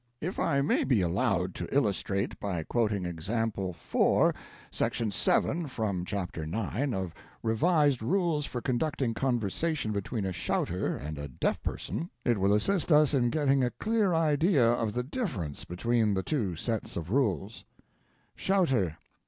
If I may be allowed to illustrate by quoting example IV., section 7 from chapter ix. of "Revised Rules for Conducting Conversation between a Shouter and a Deaf Person," it will assist us in getting a clear idea of the difference between the two sets of rules: Shouter.